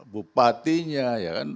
bupatinya ya kan